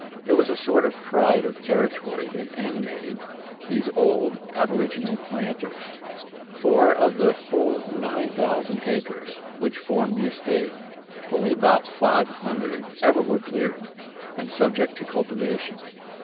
It was a sort of pride of territory that animated these old aboriginal planters; for, of the whole nine thousand acres which formed the estate, only about five hundred ever were cleared, and subject to cultivation.